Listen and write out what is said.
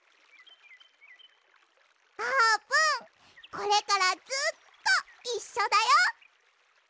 あーぷんこれからずっといっしょだよ。